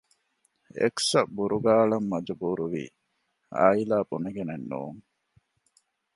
އެކްސް އަށް ބުރުގާ އަޅަން މަޖުބޫރުވީ އާއިލާއިން ބުނެގެނެއް ނޫން